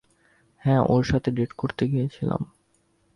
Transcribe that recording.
হ্যাঁ, ওর সাথে ডেট করতে গিয়েছিলাম।